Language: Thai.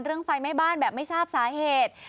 ไฟไหม้บ้านแบบไม่ทราบสาเหตุ